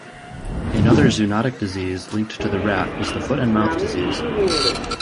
Another zoonotic disease linked to the rat is the foot-and-mouth disease.